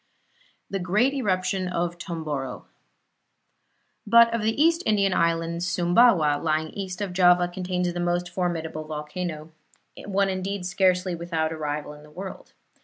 THE GREAT ERUPTION OF TOMBORO But of the East Indian Islands Sumbawa, lying east of Java, contains the most formidable volcano one indeed scarcely without a rival in the world.